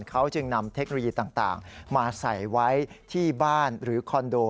เขาจึงนำเทคโนโลยีต่างมาใส่ไว้ที่บ้านหรือคอนโด